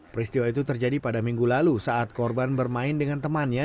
peristiwa itu terjadi pada minggu lalu saat korban bermain dengan temannya